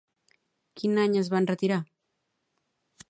Quin any es va enretirar?